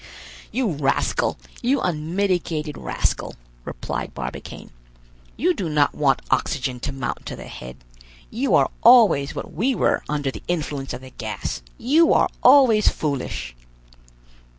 "You rascal, you unmitigated rascal," replied Barbicane, "you do not want oxygen to mount to the head. You are always what we were under the influence of the gas; you are always foolish!"